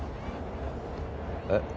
えっ？